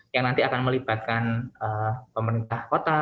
yang nanti akan melibatkan pemerintah kota